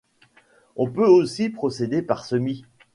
On peut aussi procéder par semis.